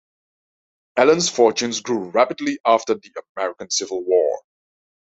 Allen's fortunes grew rapidly after the American Civil War.